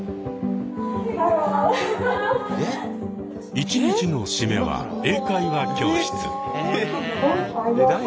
一日の締めは英会話教室。